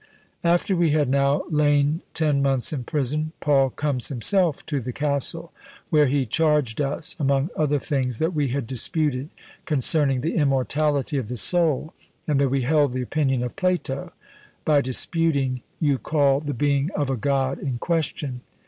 After we had now lain ten months in prison, Paul comes himself to the castle, where he charged us, among other things, that we had disputed concerning the immortality of the soul, and that we held the opinion of Plato; by disputing you call the being of a God in question.